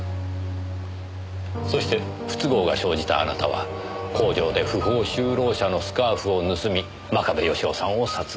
そして不都合が生じたあなたは工場で不法就労者のスカーフを盗み真壁義雄さんを殺害。